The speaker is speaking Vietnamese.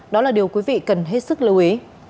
đó là điều quý vị cần hết sức lưu ý